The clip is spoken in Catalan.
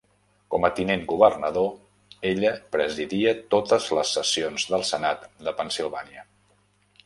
Com a tinent governador, ella presidia totes les sessions del Senat de Pennsilvània.